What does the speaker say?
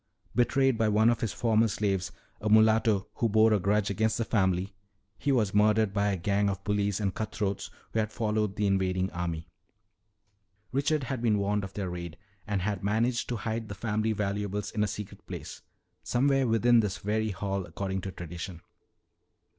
Betrayed by one of his former slaves, a mulatto who bore a grudge against the family, he was murdered by a gang of bullies and cutthroats who had followed the invading army. "Richard had been warned of their raid and had managed to hide the family valuables in a secret place somewhere within this very hall, according to tradition."